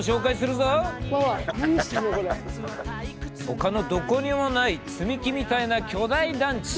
ほかのどこにもない積み木みたいな巨大団地。